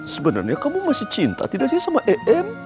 sebenarnya kamu masih cinta tidak sih sama em